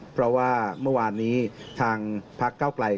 เพราะว่าเมื่อวานนี้ทางพักเก้าไกล